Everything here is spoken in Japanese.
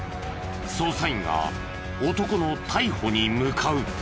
捜査員が男の逮捕に向かう。